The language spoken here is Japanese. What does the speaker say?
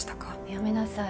やめなさい。